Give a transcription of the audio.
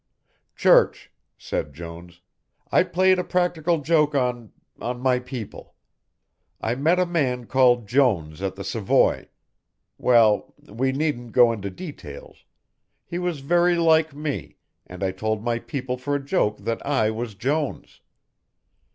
"Church," said Jones, "I played a practical joke on on my people. I met a man called Jones at the Savoy well, we needn't go into details, he was very like me, and I told my people for a joke that I was Jones.